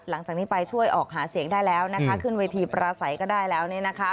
หลังจากนี้ไปช่วยออกหาเสียงได้แล้วนะคะขึ้นเวทีประสัยก็ได้แล้วเนี่ยนะคะ